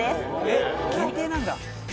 えっ限定なんだ。